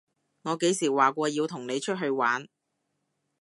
我幾時話過要同你出去玩？